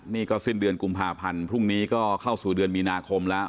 นี่ก็สิ้นเดือนกุมภาพันธ์พรุ่งนี้ก็เข้าสู่เดือนมีนาคมแล้ว